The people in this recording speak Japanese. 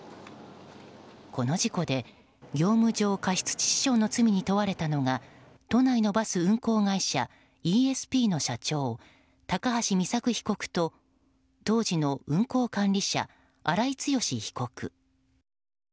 この事故で、業務上過失致死傷の罪に問われたのが都内のバス運行会社イーエスピーの社長高橋美作被告と当時の運行管理者荒井強被告。